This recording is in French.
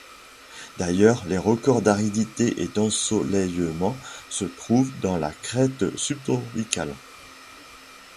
D'ailleurs, les records d'aridité et d'ensoleillement se trouvent dans la crête subtropicale.